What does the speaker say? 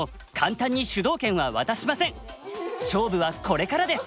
勝負はこれからです。